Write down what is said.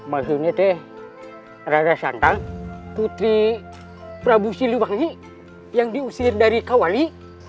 maksudnya deh rara santan putri prabu siliwangi yang diusir dari kawali